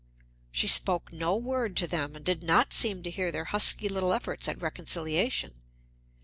She spoke no word to them and did not seem to hear their husky little efforts at reconciliation.